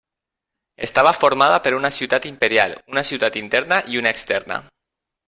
Estava formada per una ciutat imperial, una ciutat interna i una externa.